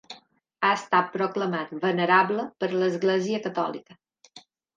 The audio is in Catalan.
Ha estat proclamat venerable per l'Església Catòlica.